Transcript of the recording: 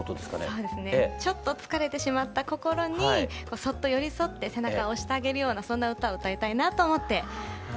そうですねちょっと疲れてしまった心にそっと寄り添って背中を押してあげるようなそんな歌を歌いたいなと思ってはい。